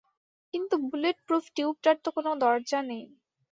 কিন্তু বুলেটপ্রুফ টিউবটার তো কোনো দরজা নেই।